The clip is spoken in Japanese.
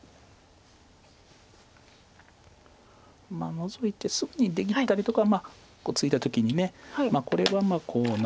ノゾいてすぐに出切ったりとかはこうツイだ時にこれはこうなって。